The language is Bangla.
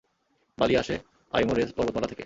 বালি আসে আইমোরেজ পর্বতমালা থেকে।